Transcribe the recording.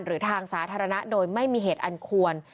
หรือทางสาธารณะโดยไม่มีเหตุอันควร